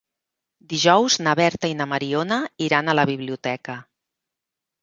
Dijous na Berta i na Mariona iran a la biblioteca.